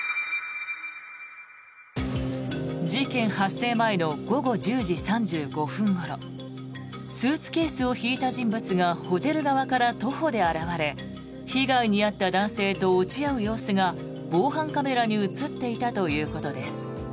事件発生前の午後１０時３５分ごろスーツケースを引いた人物がホテル側から徒歩で現れ被害に遭った男性と落ち合う様子が防犯カメラに映っていたということです。